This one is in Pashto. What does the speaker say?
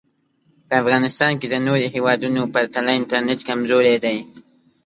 په افغانیستان کې د نورو هېوادونو پرتله انټرنټ کمزوری دی